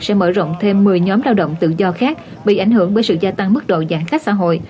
sẽ mở rộng thêm một mươi nhóm lao động tự do khác bị ảnh hưởng bởi sự gia tăng mức độ giãn cách xã hội